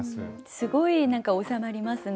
すごい収まりますね。